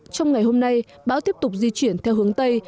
trong ngày hôm nay bão tiếp tục di chuyển theo hướng tây